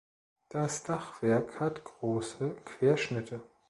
Das Dachwerk hat große Querschnitte.